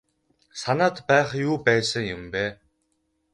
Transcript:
Санаад байх юу байсан юм бэ.